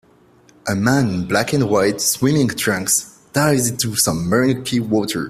A man in black and white swimming trunks dives into some murky water.